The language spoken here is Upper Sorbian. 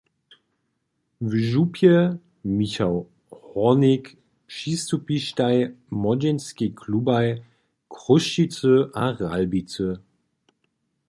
W župje „Michał Hórnik“ přistupištaj młodźinskej klubaj Chrósćicy a Ralbicy.